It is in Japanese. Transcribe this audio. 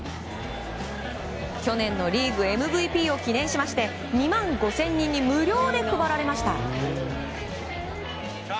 去年のリーグＭＶＰを記念しまして２万５０００人に無料で配られました。